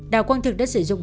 đào quang thực đã sử dụng